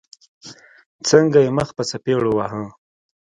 څنګه يې مخ په څپېړو واهه.